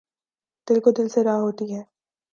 دِل کو دِل سے راہ ہوتی ہے